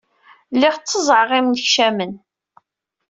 Lliɣ tteẓẓɛeɣ imennekcamen.